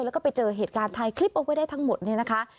แล้วก็ไปเจอเหตุการณ์ถ่ายคลิปเอาไว้ได้ทั้งหมดเนี่ยนะคะ